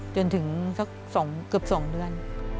จนถึงสักเกือบ๒เดือน